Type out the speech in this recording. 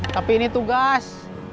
tapi ini tugas